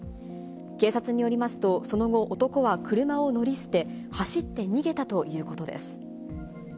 警察によりますと、その後、男は車を乗り捨て、走って逃げたということです。